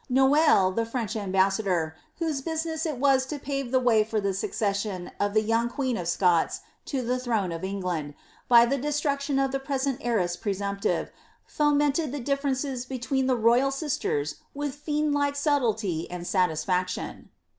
Noailles, the French ambassador, whose business it was to pave the way for the succession of the young queen of Scots to the throne of England, by the destruction of the present heiress presumptive, fomented the diflerences between the royal sisters with fiendiike subtlety and satisfaction.'